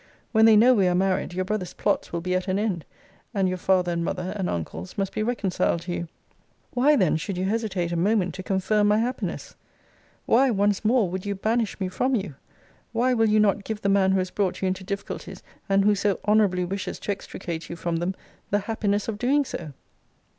When they know we are married, your brother's plots will be at an end; and your father and mother, and uncles, must be reconciled to you. Why then should you hesitate a moment to confirm my happiness? Why, once more, would you banish me from you? Why will you not give the man who has brought you into difficulties, and who so honourably wishes to extricate you from them, the happiness of doing so?